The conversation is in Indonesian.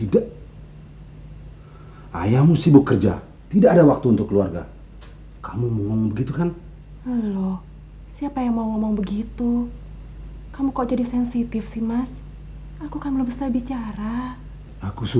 dama yanti binti prayu